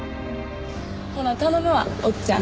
ほな頼むわおっちゃん。